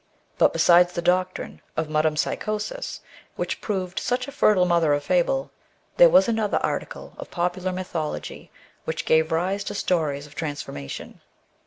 But besides the doctrine of metempsychosis, which proved such a fertile mother of fable, there was another article of popular mythology which gave rise to stories of transformation.